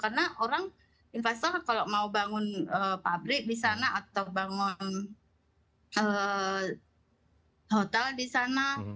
karena orang investor kalau mau bangun pabrik di sana atau bangun hotel di sana